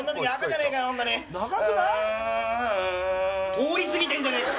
通り過ぎてんじゃねえか！